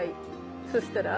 そしたら？